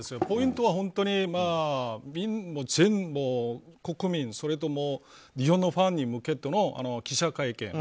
ポイントは本当に国民、日本のファンに向けての記者会見